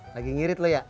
lagi ngirit lu ya